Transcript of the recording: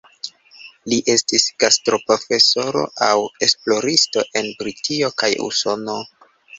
Li estis gastoprofesoro aŭ esploristo en Britio kaj Usono.